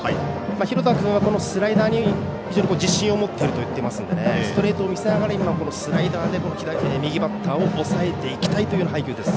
廣田君はスライダーに非常に自信を持っていると言っていますのでストレートを見せながら右バッターを抑えていきたいという配球です。